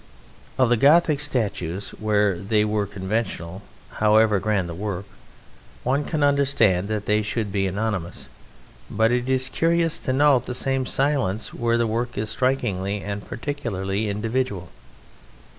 Of the Gothic statues where they were conventional, however grand the work, one can understand that they should be anonymous, but it is curious to note the same silence where the work is strikingly and particularly individual.